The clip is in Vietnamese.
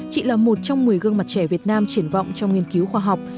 chị là một trong một mươi gương mặt trẻ việt nam triển vọng trong nghiên cứu khoa học